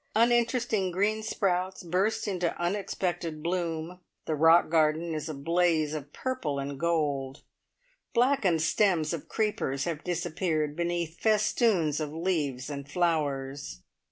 Uninteresting green sprouts burst into unexpected bloom; the rock garden is a blaze of purple and gold; blackened stems of creepers have disappeared beneath festoons of leaves and flowers.